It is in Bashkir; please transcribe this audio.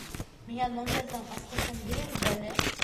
Миңә номерҙың асҡысын бирегеҙ әле!